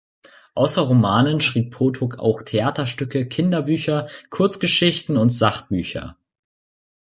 Außer Romanen schrieb Potok auch Theaterstücke, Kinderbücher, Kurzgeschichten und Sachbücher.